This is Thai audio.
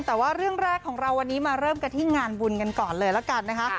แต่ว่าเรื่องแรกของเราวันนี้มาเริ่มกันที่งานบุญกันก่อนเลยละกันนะคะ